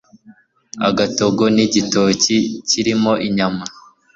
agatogo nigitoki kirimo inyama